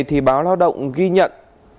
thì báo lao động ghi nhận